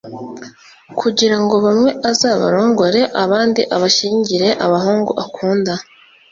kugira ngo bamwe azabarongore abandi abashyingire abahungu akunda